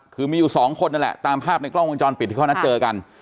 คือมีอยู่สองคนนั่นแหละตามภาพในกล้องวงจรปิดที่เขานัดเจอกัน